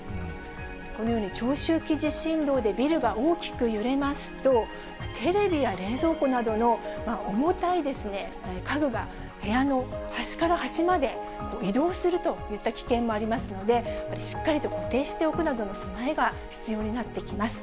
このように長周期地震動でビルが大きく揺れますと、テレビや冷蔵庫などの重たい家具が、部屋の端から端まで移動するといった危険もありますので、しっかりと固定しておくなどの備えが必要になってきます。